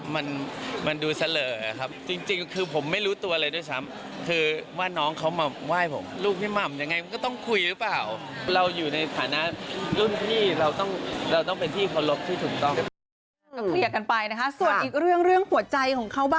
ไปฝากพี่ขันเงินเนื้อนนวลกันเลยจ้า